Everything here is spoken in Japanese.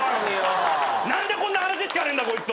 何でこんな話聞かねえんだこいつ。